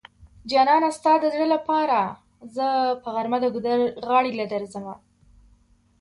جانانه ستا د زړه لپاره زه په غرمه د ګودر غاړی له درځمه